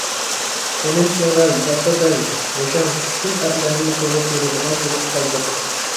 خېنىم چىراي، لاتا بەل، بوشاڭ، چۈشكۈن ئەرلەرنى تولا كۆرىدىغان بولۇپ قالدۇق.